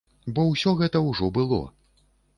Бо ўсё гэта ўжо было.